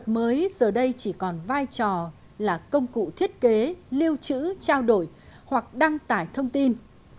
mới giờ đây chỉ còn vai trò là công cụ thiết kế lưu chữ trao đổi hoặc đăng tải thông tin